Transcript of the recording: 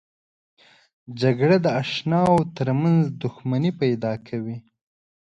جګړه د اشناو ترمنځ دښمني پیدا کوي